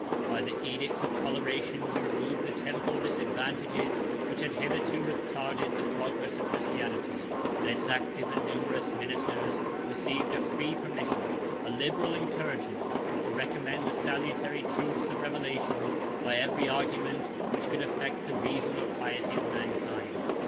By the edicts of toleration, he removed the temporal disadvantages which had hitherto retarded the progress of Christianity; and its active and numerous ministers received a free permission, a liberal encouragement, to recommend the salutary truths of revelation by every argument which could affect the reason or piety of mankind.